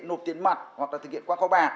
nộp tiền mặt hoặc là thực hiện qua kho bạc